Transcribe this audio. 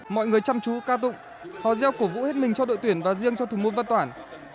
mọi người chăm chú ca tụng họ gieo cổ vũ hết mình cho đội tuyển và riêng cho thủ môn văn toản